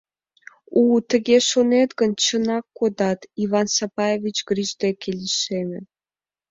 — У-у, тыге шонет гын, чынак кодат, — Иван Сапаевич Гриш деке лишеме.